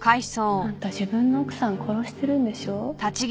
あんた自分の奥さん殺してるんでしょ。